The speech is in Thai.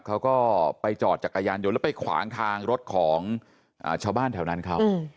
เขาก็ไปจอดจักรยานยนต์แล้วไปขวางทางรถของชาวบ้านแถวนั้นเขา